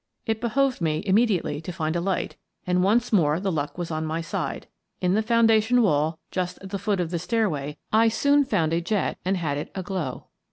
It behoved me immediately to find a light, and once more the luck was on my side: in the foundation wall, just at the foot of the stair way, I soon found a jet and had it aglow.